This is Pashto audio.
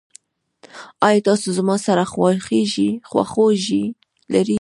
ایا تاسو زما سره خواخوږي لرئ؟